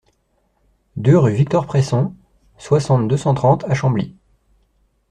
deux rue Victor Presson, soixante, deux cent trente à Chambly